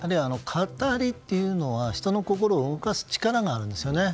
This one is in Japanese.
語りというのは人の心を動かす力があるんですよね。